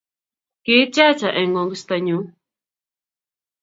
ki'tiacha eng 'ng'ogistanyu